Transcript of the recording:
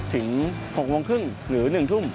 ถึง๖โมงครึ่งหรือ๑ทุ่ม